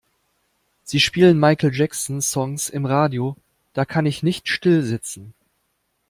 Sie spielen Michael Jackson Songs im Radio, da kann ich nicht stillsitzen.